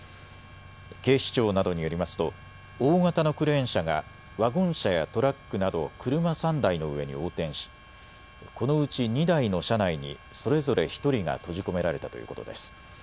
警視庁などによりますと大型のクレーン車がワゴン車やトラックなど車３台の上に横転しこのうち２台の車内にそれぞれ１人が閉じ込められたということです。